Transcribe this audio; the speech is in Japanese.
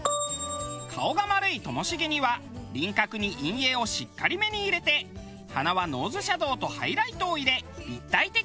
顔が丸いともしげには輪郭に陰影をしっかりめに入れて鼻はノーズシャドウとハイライトを入れ立体的に！